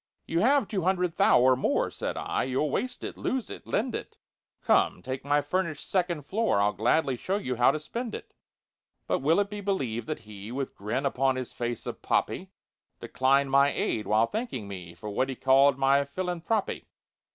"You have two hundred 'thou' or more," Said I. "You'll waste it, lose it, lend it; Come, take my furnished second floor, I'll gladly show you how to spend it." But will it be believed that he, With grin upon his face of poppy, Declined my aid, while thanking me For what he called my "philanthroppy"?